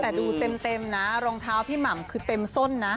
แต่ดูเต็มนะรองเท้าพี่หม่ำคือเต็มส้นนะ